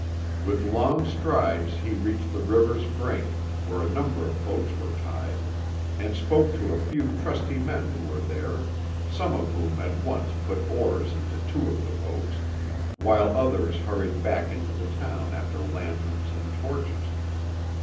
With long strides he reached the river's brink, where a number of boats were tied, and spoke to a few trusty men who were there, some of whom at once put oars into two of the boats, while others hurried back into the town after lanterns and torches.